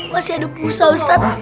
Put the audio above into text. masih ada pusat ustadz